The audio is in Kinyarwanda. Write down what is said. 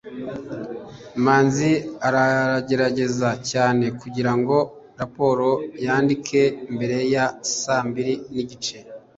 manzi aragerageza cyane kugirango raporo yandike mbere ya saa mbiri nigice